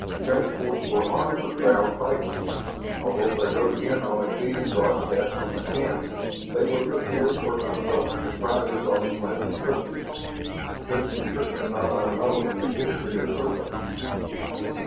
Transports were armed for ground fighting. Although they rode in on a beam broadcast from a camp, they were prepared for unpleasant surprises on a planet's surface; such were certainly not unknown in the history of Survey.